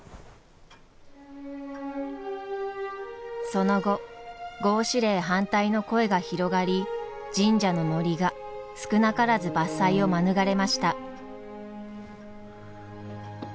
その後合祀令反対の声が広がり神社の森が少なからず伐採を免れました。